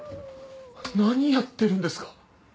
何やってるんですか。